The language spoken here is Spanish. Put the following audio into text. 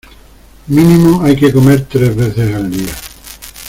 Mínimo hay que comer tres veces al día.